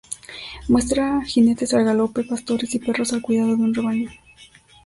Muestra jinetes al galope, pastores y perros al cuidado de un rebaño.